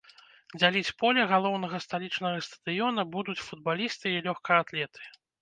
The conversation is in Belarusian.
Дзяліць поле галоўнага сталічнага стадыёна будуць футбалісты і лёгкаатлеты.